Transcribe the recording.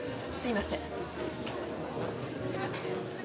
すいません。